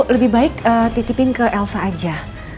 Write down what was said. lebih baik titipin ke elsa aja